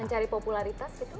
mencari popularitas gitu